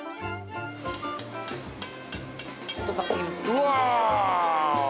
うわ。